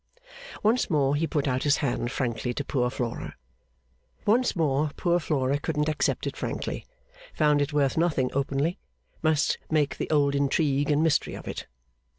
Once more he put out his hand frankly to poor Flora; once more poor Flora couldn't accept it frankly, found it worth nothing openly, must make the old intrigue and mystery of it.